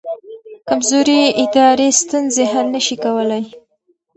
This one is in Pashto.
کمزوري ادارې ستونزې حل نه شي کولی.